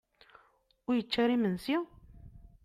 Ur yečči ara imensi?